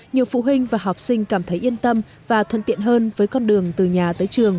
nhiều phụ huynh và học sinh cảm thấy yên tâm và thuận tiện hơn với con đường từ nhà tới trường